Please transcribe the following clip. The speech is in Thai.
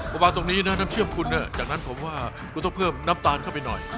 ประมาณตรงนี้นะน้ำเชื่อมคุณจากนั้นผมว่าคุณต้องเพิ่มน้ำตาลเข้าไปหน่อย